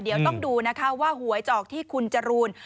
เดี๋ยวต้องดูนะคะว่าหวยจอกที่คุณจรูน